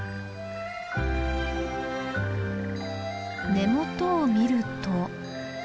根元を見ると。